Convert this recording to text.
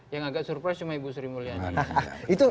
yang agak surprise cuma ibu sri mulyani